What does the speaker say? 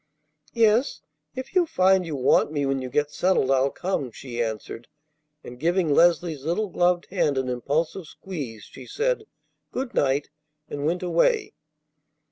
"Yes, if you find you want me when you get settled, I'll come," she answered, and, giving Leslie's little gloved hand an impulsive squeeze, she said, "Good night," and went away.